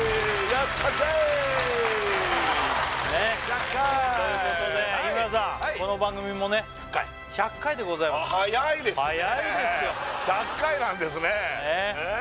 やったーということで日村さんこの番組もね１００回でございます早いですよ１００回なんですね